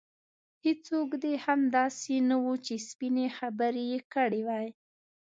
هېڅوک هم داسې نه وو چې سپینې خبرې یې کړې وای.